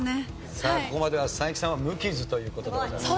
さあここまでは才木さんは無傷という事でございます。